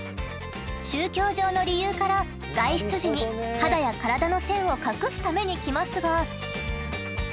宗教上の理由から外出時に肌や体の線を隠すために着ますが。